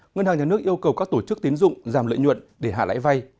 ngân hàng nhà nước yêu cầu các tổ chức tiến dụng giảm lợi nhuận để hạ lãi vay